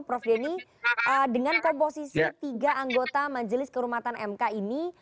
prof denny dengan komposisi tiga anggota majelis kehormatan mk ini